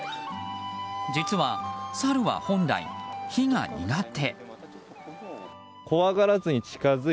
実はサルは本来、火が苦手。